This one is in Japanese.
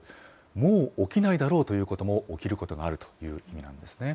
もう起きないだろうということも起きることがあるという意味なんですね。